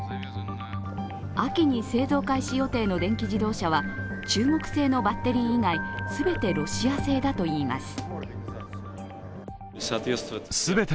秋に製造開始予定の電気自動車は中国製のバッテリー以外全てロシア製だといいます。